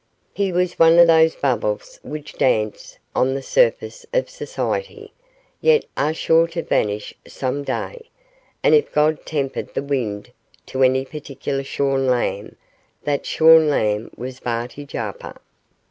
He was one of those bubbles which dance on the surface of society, yet are sure to vanish some day, and if God tempered the wind to any particular shorn lamb, that shorn lamb was Barty Jarper.